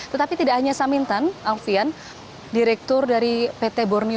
tetapi tidak hanya samintan alvian